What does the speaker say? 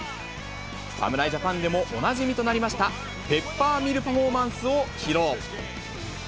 侍ジャパンでもおなじみとなりました、ペッパーミルパフォーマンスを披露。